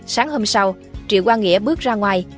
sáng hôm sau triệu quang nghĩa bước ra ngoài